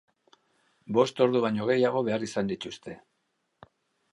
Bost ordu baino gehiago behar izan dituzte.